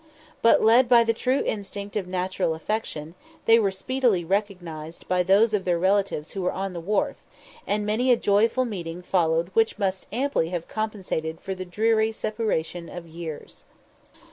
But, led by the true instinct of natural affection, they were speedily recognised by those of their relatives who were on the wharf, and many a joyful meeting followed which must amply have compensated for the dreary separation of years.